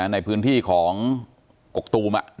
ในพื้นที่ของกกตูม